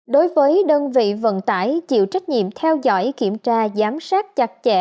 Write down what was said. đối với đơn vị vận tải chịu trách nhiệm theo dõi kiểm tra giám sát chặt chẽ